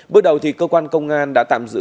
bước đầu thì cơ quan công an đã tạm giữ